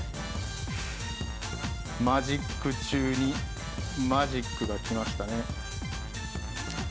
マジック中にマジックが来ましたね。